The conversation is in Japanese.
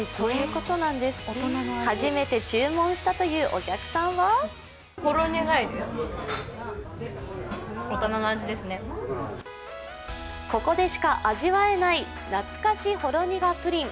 初めて注文したというお客さんはここでしか味わえない懐かしほろ苦プリン。